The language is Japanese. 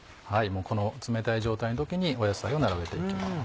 この冷たい状態の時に野菜を並べて行きます。